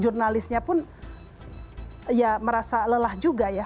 jurnalisnya pun ya merasa lelah juga ya